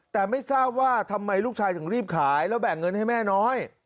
แต่ไม่ทราบว่าทำไมลูกชายถึงรีบขายแล้วแบ่งเงินให้แม่น้อย